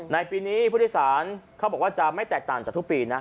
ในปีนี้ผู้โดยสารเขาบอกว่าจะไม่แตกต่างจากทุกปีนะ